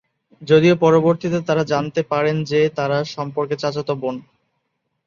যদিও পরবর্তীতে তারা জানতে পারেন যে তারা সম্পর্কে চাচাতো বোন।